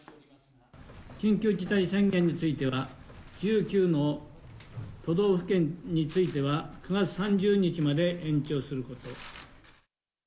緊急事態宣言については、１９の都道府県については、９月３０日まで延長すること。